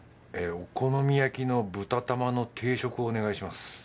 お好み焼きの豚玉の定食をお願いします。